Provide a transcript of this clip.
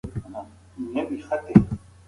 کوم زده کوونکی ډېر فعال دی؟